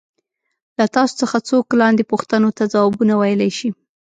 له تاسو څخه څوک لاندې پوښتنو ته ځوابونه ویلای شي.